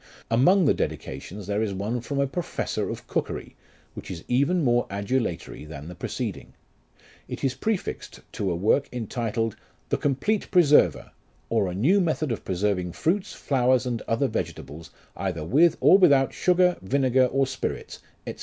Among the Dedications there is one from a Professor of Cookery, which is even more adulatory than the preceding. It is prefixed to a work entituled, " The Complete Preserver ; or a new method of preserving fruits, flowers, and other vegetables, either with or without sugar, vinegar, or spirits, &c."